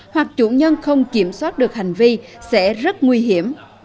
hoặc chủ nhân không kiểm soát được hành vi sẽ rất nguy hiểm